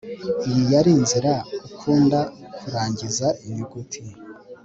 iyi yari inzira ukunda kurangiza inyuguti